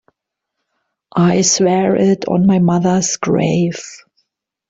I swear it on my mother's grave.